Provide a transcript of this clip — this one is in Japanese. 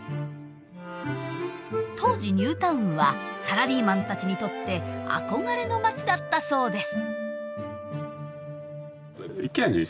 当時ニュータウンはサラリーマンたちにとって憧れの町だったそうです。